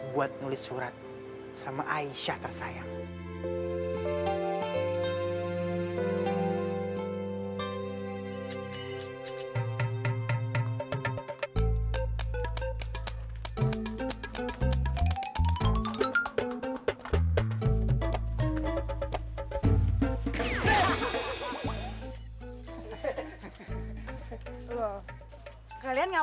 buat nulis surat sama aisyah tersayang